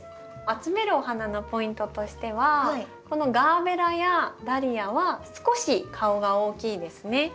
集めるお花のポイントとしてはこのガーベラやダリアは少し顔が大きいですね。